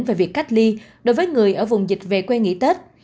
về việc cách ly đối với người ở vùng dịch về quê nghỉ tết